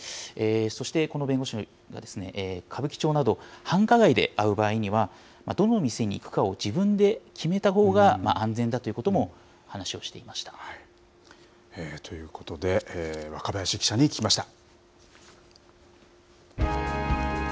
そして、この弁護士は、歌舞伎町など繁華街で会う場合には、どの店に行くかを自分で決めたほうが安全だということも話をしてということで、若林記者に聞きました。